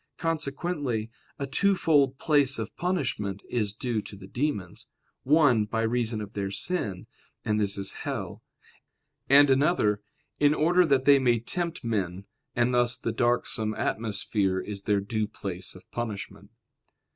Consequently a twofold place of punishment is due to the demons: one, by reason of their sin, and this is hell; and another, in order that they may tempt men, and thus the darksome atmosphere is their due place of punishment.